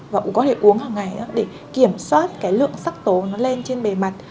và cũng có thể uống hằng ngày để kiểm soát lượng sắc tố lên trên bề mặt